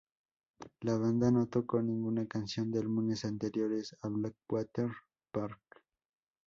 La banda no toco ninguna canción de álbumes anteriores a Blackwater Park.